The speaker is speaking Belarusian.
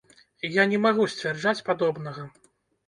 Я не магу сцвярджаць падобнага.